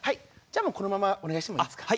じゃあもうこのままお願いしてもいいですか？